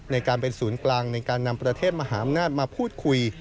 ในการเป็นศูนย์กลางในการนำประเทศมหาอำนาจมาพูดคุย